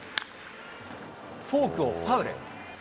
フォークをファウル。